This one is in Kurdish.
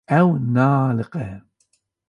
Ew naaliqe.